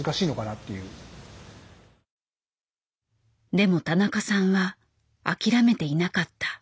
でも田中さんは諦めていなかった。